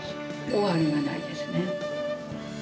終わりはないですね。